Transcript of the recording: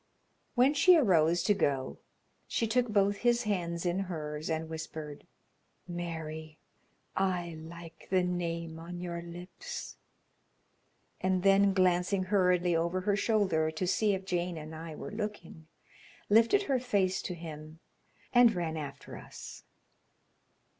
When she arose to go she took both his hands in hers and whispered: "'Mary.' I like the name on your lips," and then glancing hurriedly over her shoulder to see if Jane and I were looking, lifted her face to him and ran after us.